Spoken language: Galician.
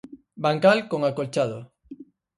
Bancal con acolchado.